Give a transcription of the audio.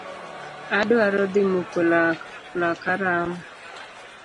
Adwaro dhi muko laka rama.